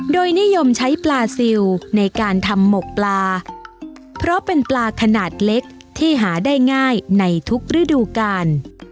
โดยนิยมใช้ปลาซิลในการทำหมกปลาเพราะเป็นปลาขนาดเล็กที่หาได้ง่ายในทุกฤดูกาล